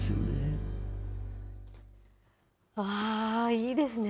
いいですね。